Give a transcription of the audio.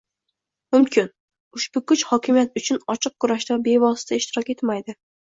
mumkin. Ushbu kuch hokimiyat uchun ochiq kurashda bevosita ishtirok etmaydi